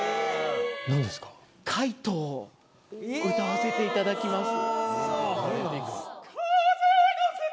何ですか？を歌わせていただきます。